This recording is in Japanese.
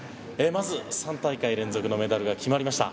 まず３大会連続のメダルが決まりました。